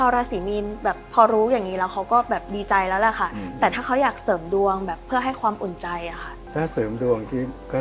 ราศีมีนรวยอาจจะเริ่มตั้งแต่ปีนี้